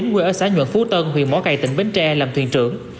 quê ở xã nhuận phú tân huyện mó cầy tỉnh bến tre làm thuyền trưởng